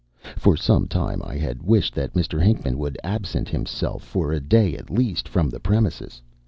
For some time I had wished that Mr. Hinckman would absent himself, for a day at least, from the premises.